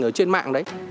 ở trên mạng đấy